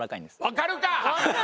分かるか！